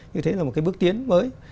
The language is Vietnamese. như thế là một cái bước tiến mới